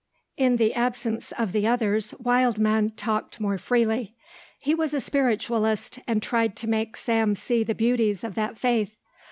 In the absence of the others Wildman talked more freely. He was a spiritualist and tried to make Sam see the beauties of that faith.